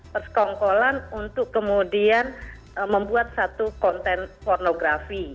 persekongkolan untuk kemudian membuat satu konten pornografi